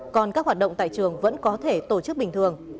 còn các hoạt động tại trường vẫn có thể tổ chức bình thường